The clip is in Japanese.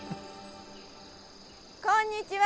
こんにちは！